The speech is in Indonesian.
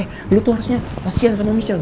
eh lu tuh harusnya pasien sama michelle